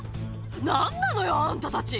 なんなのよ、あんたたち。